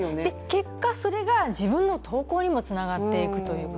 結果、それが自分の投稿にもつながっていくと。